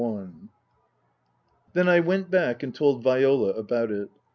XIII THEN I went back and told Viola about it.